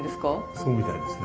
そうみたいですね。